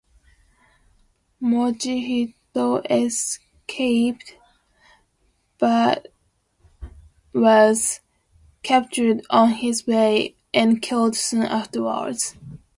Mochihito escaped, but was captured on his way and killed soon afterwards.